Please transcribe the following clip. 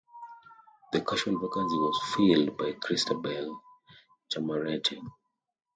The casual vacancy was filled by Christabel Chamarette.